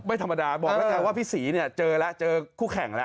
ไม่ธรรมดาบอกแล้วกันว่าพี่ศรีเนี่ยเจอแล้วเจอคู่แข่งแล้ว